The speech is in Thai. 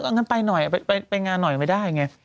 งั้นไปหน่อยไปงานหน่อยไม่ได้ไง